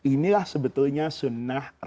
inilah sebetulnya sunnah nabi